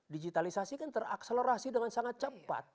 digitalisasi kan terakselerasi dengan sangat cepat